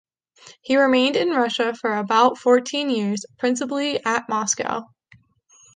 He remained in Russia for about fourteen years, principally at Moscow.